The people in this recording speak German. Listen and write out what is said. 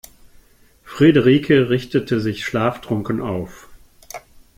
Friederike richtete sich schlaftrunken auf.